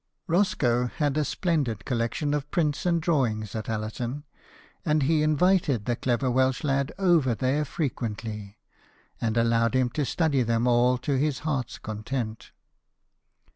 Roscoe had a splendid collection of prints and drawings at Allerton ; and he invited the clever Welsh lad over there frequently, and allowed him to study them all to his heart's content.